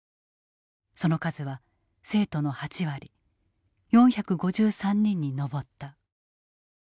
その数は生徒の８割４５３人に上った。